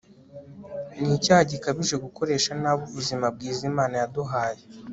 ni icyaha gikabije gukoresha nabi ubuzima bwiza imana yaduhaye